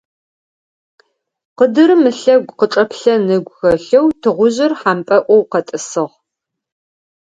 Къыдырым ылъэгу къычӀэплъэн ыгу хэлъэу тыгъужъыр хьампӀэӏоу къэтӀысыгъ.